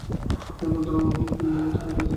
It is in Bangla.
ঐ ভদ্রমহিলার মধ্যে তিন্নির মতো কোনো কিছু ছিল কি?